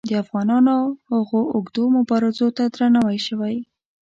د افغانانو هغو اوږدو مبارزو ته درناوی شوی.